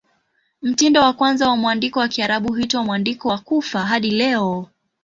Mtindo wa kwanza wa mwandiko wa Kiarabu huitwa "Mwandiko wa Kufa" hadi leo.